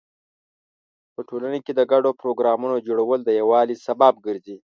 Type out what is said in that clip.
په ټولنه کې د ګډو پروګرامونو جوړول د یووالي سبب ګرځي.